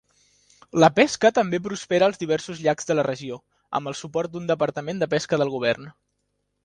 La pesca també prospera als diversos llacs de la regió, amb el suport d'un departament de pesca del govern.